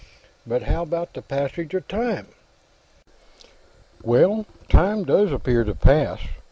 "But how about the 'Passage of Time'?" "Well, time does appear to pass.